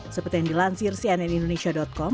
seperti yang dilansir cnn indonesia com